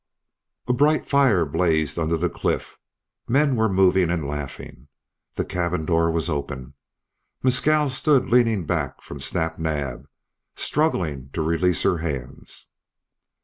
A bright fire blazed under the cliff. Men were moving and laughing. The cabin door was open. Mescal stood leaning back from Snap Naab, struggling to release her hands.